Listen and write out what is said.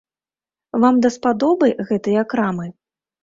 Вам даспадобы гэтыя крамы?